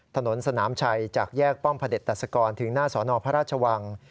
ถนนสนามชัยจากแยกป้อมพระเด็จตัดสกรถึงหน้าสอนอพระราชวัง